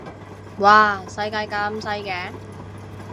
嘩世界咁細嘅